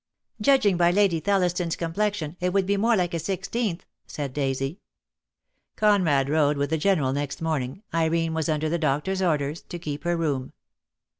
"Judging by Lady Thelliston's complexion it would be more like a sixteenth," said Daisy. Conrad rode with the General next morning. Irene was under the doctor's orders to keep her room.